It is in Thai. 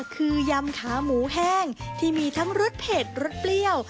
คือยำขาหมูแห้งที่มีทั้งรสเผ็ดรสเปรี้ยว